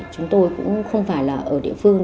chúng tôi cũng không phải là ở địa phương